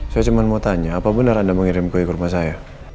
saya cuma mau tanya apa benar anda mengirim kue ke rumah saya